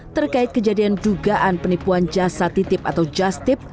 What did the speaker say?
terkait kejadian dugaan penipuan jasa titip atau just tip